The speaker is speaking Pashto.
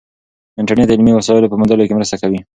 انټرنیټ د علمي وسایلو په موندلو کې مرسته کوي.